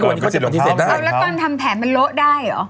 เราแล้วก็่นทำแผนมันโละได้เหรอ